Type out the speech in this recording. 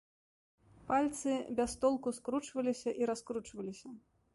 Пальцы без толку скручваліся і раскручваліся.